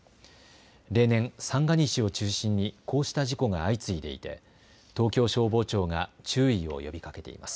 例年、三が日を中心に、こうした事故が相次いでいて、東京消防庁が注意を呼びかけています。